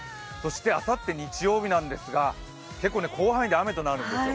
あさって日曜日なんですが結構広範囲で雨となるんですよ。